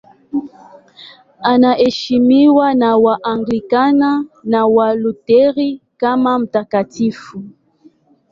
Anaheshimiwa na Waanglikana na Walutheri kama mtakatifu.